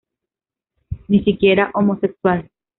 Ni siquiera homosexual.